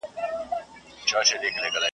زور خو زور وي، خو چم کول هم له زوره کم نه وي